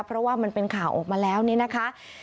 เพราะว่ามันเป็นข่าวออกมาแล้วนี่นะคะ